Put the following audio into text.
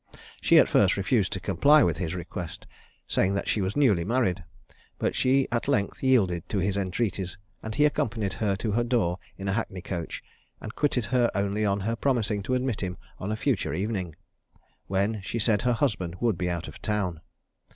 She at first refused to comply with his request, saying that she was newly married, but she at length yielded to his entreaties, and he accompanied her to her door in a hackney coach, and quitted her only on her promising to admit him on a future evening, when, she said, her husband would be out of town.